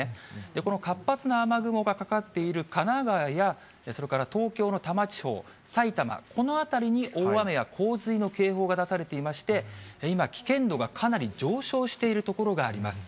この活発な雨雲がかかっている神奈川や、それから東京の多摩地方、埼玉、この辺りに大雨や洪水の警報が出されていまして、今、危険度がかなり上昇している所があります。